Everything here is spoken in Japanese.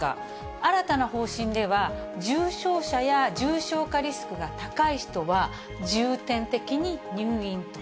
新たな方針では、重症者や重症化リスクが高い人は、重点的に入院と。